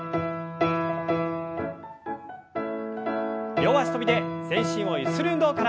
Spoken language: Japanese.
両脚跳びで全身をゆする運動から。